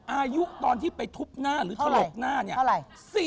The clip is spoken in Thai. อายุตอนที่ไปทุบหน้าหรือทะลกหน้าเนี่ย